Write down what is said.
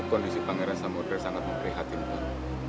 kondisi pangeran samudera sangat memprihatinkan